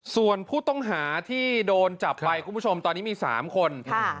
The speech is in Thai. ส่วนผู้ต้องหาที่โดนจับไปคุณผู้ชมตอนนี้มี๓คน